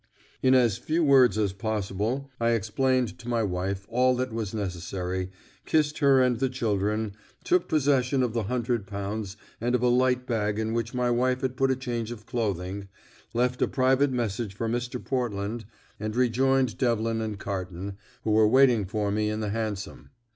In as few words as possible I explained to my wife all that was necessary, kissed her and the children, took possession of the hundred pounds and of a light bag in which my wife had put a change of clothing, left a private message for Mr. Portland, and rejoined Devlin and Carton, who were waiting for me in the hansom.